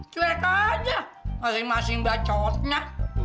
cuek aja masing masing bacotnya